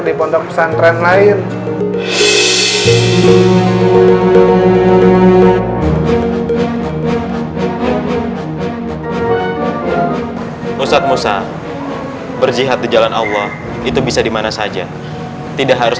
di pondok pesantren lain ustadz musa berjihad di jalan allah itu bisa dimana saja tidak harus